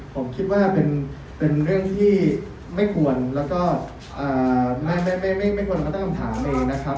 ผมคิดว่าเป็นเรื่องที่ไม่ควรแล้วก็ไม่ควรมาตั้งคำถามเองนะครับ